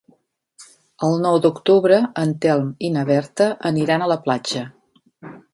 El nou d'octubre en Telm i na Berta aniran a la platja.